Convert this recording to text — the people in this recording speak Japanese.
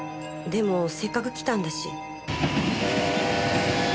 でもせっかく来たんだし。